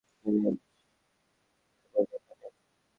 এখানে এবং এখানে।